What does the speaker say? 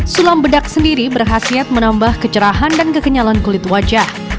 sulam bedak sendiri berhasil menambah kecerahan dan kekenyalan kulit wajah